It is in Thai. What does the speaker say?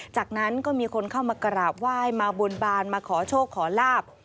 จากนั้นก็มีคนเข้ามากราบไหว้มาบนบานมาขอโชคขอลาบ